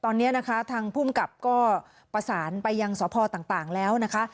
ตอนนี้นะคะทางภูมิกับก็ประสานไปยังสพต่างแล้วนะคะ